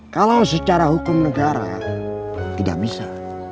kalau secara hukum negara tidak bisa